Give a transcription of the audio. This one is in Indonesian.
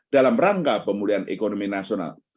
dalam rangka pemulihan ekonomi nasional